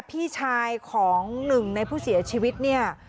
พี่ชายของหนึ่งในผู้เสียชีวิตเนี่ย